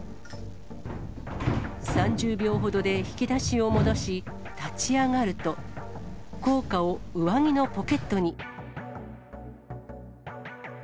３０秒ほどで引き出しを戻し、立ち上がると、硬貨を上着のポケットに。